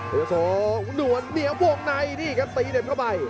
โอ้โหโสหวนเหนียววงในนี่ครับตีเห็มเข้าไป